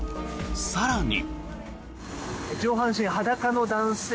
更に。